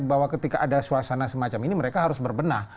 bahwa ketika ada suasana semacam ini mereka harus berbenah